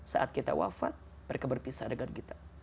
saat kita wafat mereka berpisah dengan kita